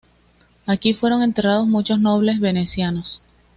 Aquí fueron enterrados muchos nobles venecianos.